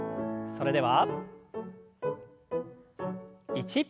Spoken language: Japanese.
それでは１。